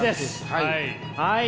はい。